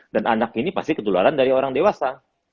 dan anak ini pasti ketularan dari orang dewasa